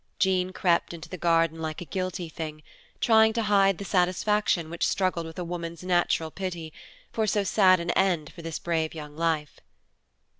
Jean crept into the garden like a guilty thing, trying to hide the satisfaction which struggled with a woman's natural pity, for so sad an end for this brave young life.